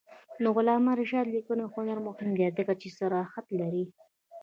د علامه رشاد لیکنی هنر مهم دی ځکه چې صراحت لري.